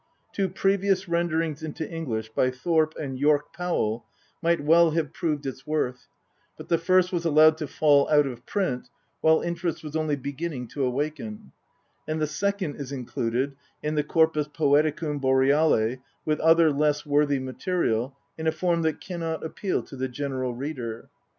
Two previous renderings into English by Thorpe and York Powell might well have proved its worth, but the first was allowed to fall out of print while interest was only beginning to awaken, and the second is included in the Corpus Poeticum Boreale with other less worthy material in a form that cannot appeal to the general reader.